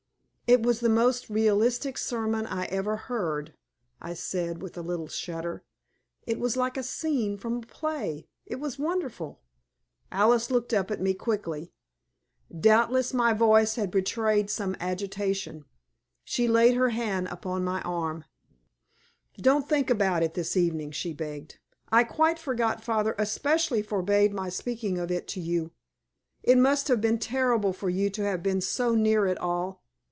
"It was the most realistic sermon I ever heard," I said, with a little shudder. "It was like a scene from a play. It was wonderful." Alice looked up at me quickly. Doubtless my voice had betrayed some agitation. She laid her hand upon my arm. "Don't think about it this evening," she begged. "I quite forgot father especially forbade my speaking of it to you. It must have been terrible for you to have been so near it all.